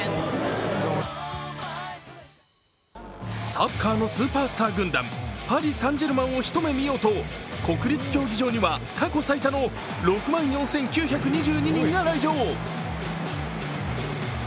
サッカーのスーパースター軍団、パリ・サン＝ジェルマンを一目見ようと国立競技場には過去最多の６万４９２２人が来場。